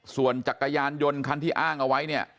ส่วนจักรยานยนต์คันที่อ้างเอาไว้เนี่ย